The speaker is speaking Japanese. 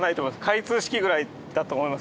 開通式ぐらいだと思います